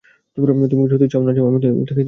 তুমি কি সত্যি সত্যি চাও না আমি থেকে যাই?